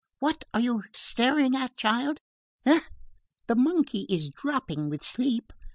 "What are you staring at, child? Eh! the monkey is dropping with sleep.